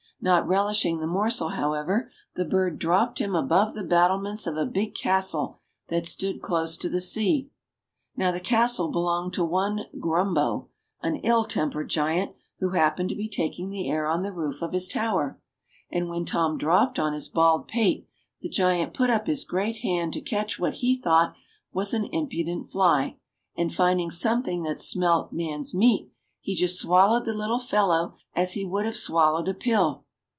Not relishing the morsel, however, the bird dropped him above the battlements of a big castle that stood close to the sea. Now the castle belonged to one Qrumbo, an ill tempered giant who happened 2o8 ENGLISH FAIRY TALES to be taking the air on the roof of his tower. And when Tom dropped on his bald pate the giant put up his great hand to catch what he thought was an impudent fly, and finding something that smelt man's meat, he just swallowed the little fellow as he would have swallowed a pill